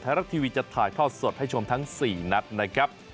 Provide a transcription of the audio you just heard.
รัฐทีวีจะถ่ายทอดสดให้ชมทั้ง๔นัดนะครับ